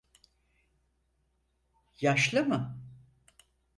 Yaşlı mı?